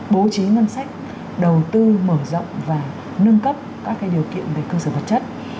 bố trí ngân sách đầu tư mở rộng và nâng cấp các điều kiện về cơ sở vật chất